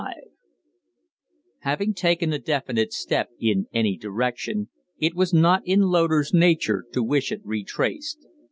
XXV Having taken a definite step in any direction, it was not in Loder's nature to wish it retraced.